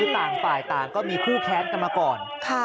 ต่างต้องมีคุ้นแค้นได้มาก่อน